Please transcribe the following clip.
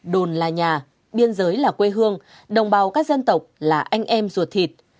đồn là nhà biên giới là quê hương đồng bào các dân tộc là anh em ruột thịt